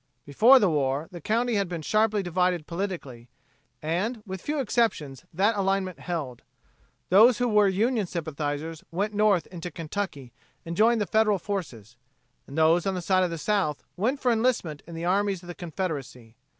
Before the war the county had been sharply divided politically, and with few exceptions that alignment held. Those who were Union sympathizers went north into Kentucky and joined the Federal forces, and those on the side of the South went for enlistment in the armies of the Confederacy.